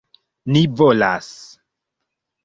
Ni volas.